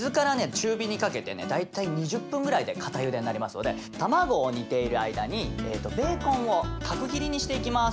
中火にかけてね大体２０分ぐらいで固ゆでになりますので卵を煮ている間にベーコンを角切りにしていきます。